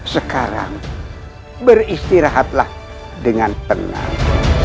sekarang beristirahatlah dengan tenang